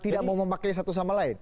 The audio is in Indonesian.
tidak mau memakai satu sama lain